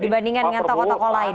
dibandingkan dengan tokoh tokoh lain